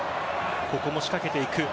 ここも仕掛けていく。